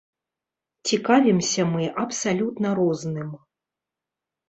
Цікавімся мы абсалютна розным.